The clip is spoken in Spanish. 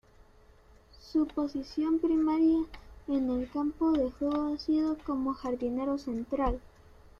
Su posición primaria en el campo de juego ha sido como jardinero central.